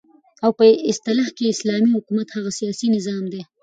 او په اصطلاح كې اسلامي حكومت هغه سياسي نظام دى